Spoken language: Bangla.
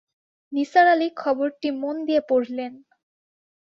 নিসার আলি খবরটি মন দিয়ে পড়লেন।